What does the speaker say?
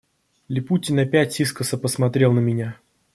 Липутин опять искоса посмотрел на меня.